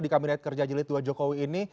di kabinet kerja jelitua jokowi ini